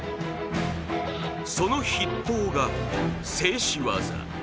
その筆頭が静止技。